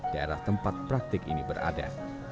daerah tempat praktik ini berada